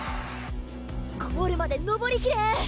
ゴールまで登りきれ！